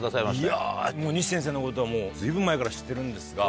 いや西先生のことはもう随分前から知ってるんですが。